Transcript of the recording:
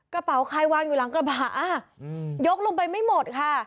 กระเป๋าใครวางอยู่หลังกระบะยกลงไปไม่หมดค่ะ